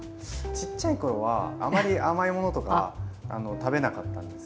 ちっちゃい頃はあまり甘い物とか食べなかったんです